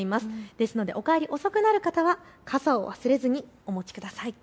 ですのでお帰り、遅くなる方は傘を忘れずにお持ちください。